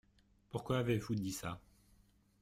Pourquoi avez-vous dit ça ?